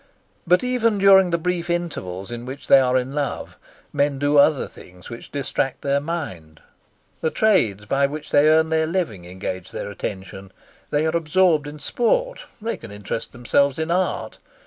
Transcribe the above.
But even during the brief intervals in which they are in love, men do other things which distract their mind; the trades by which they earn their living engage their attention; they are absorbed in sport; they can interest themselves in art.